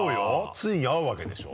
ついに会うわけでしょ？